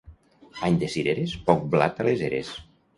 Any de cireres, poc blat a les eres.